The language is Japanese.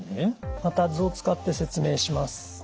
また図を使って説明します。